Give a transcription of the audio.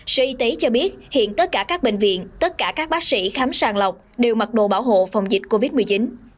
sở y tế cho biết hiện tất cả các bệnh viện tất cả các bác sĩ khám sàng lọc đều mặc đồ bảo hộ phòng dịch covid một mươi chín